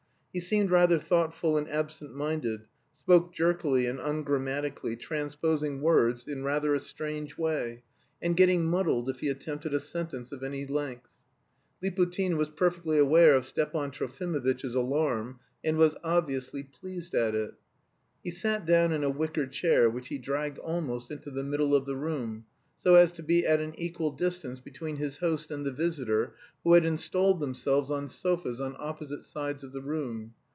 He seemed rather thoughtful and absent minded, spoke jerkily and ungrammatically, transposing words in rather a strange way, and getting muddled if he attempted a sentence of any length. Liputin was perfectly aware of Stepan Trofimovitch's alarm, and was obviously pleased at it. He sat down in a wicker chair which he dragged almost into the middle of the room, so as to be at an equal distance between his host and the visitor, who had installed themselves on sofas on opposite sides of the room.